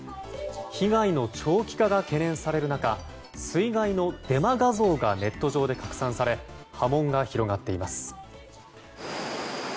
被害の長期化が懸念される中水害のデマ画像がネット上で拡散され波紋が広がっています。